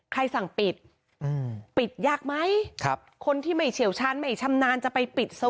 ใครสั่งปิดปิดยากไหมคนที่ไม่เฉียวชั้นไม่ชำนาญจะไปปิดสวิต